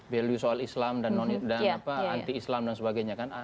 value soal islam dan anti islam dan sebagainya kan